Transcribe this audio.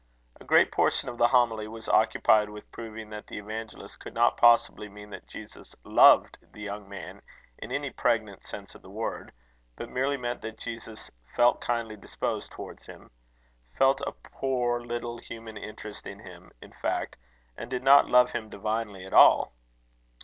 A great portion of the homily was occupied with proving that the evangelist could not possibly mean that Jesus loved the young man in any pregnant sense of the word; but merely meant that Jesus "felt kindly disposed towards him" felt a poor little human interest in him, in fact, and did not love him divinely at all.